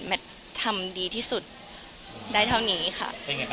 ทำดีที่สุดได้เท่านี้ค่ะ